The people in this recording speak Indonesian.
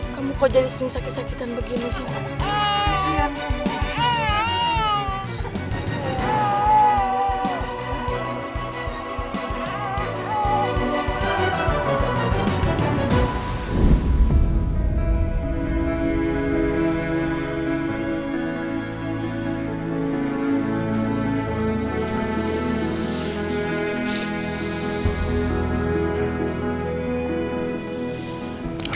kamu kok jadi sering sakit sakitan begini sih